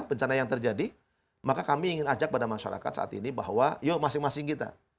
bencana yang terjadi maka kami ingin ajak pada masyarakat saat ini bahwa yuk masing masing kita